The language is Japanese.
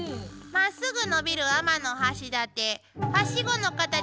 まっすぐ伸びる天橋立。